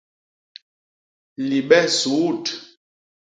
Libe suut!